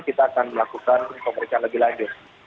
kita akan melakukan pemeriksaan lebih lanjut